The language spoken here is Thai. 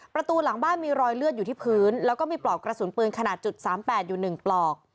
ประตูหลังบ้านมีรอยเลือดอยู่ที่พื้นแล้วก็มีปลอกกระสุนปืนขนาด๓๘อยู่๑ปลอก